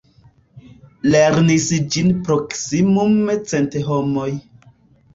Lernis ĝin proksimume cent homoj.